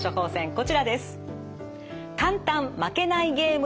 こちらです。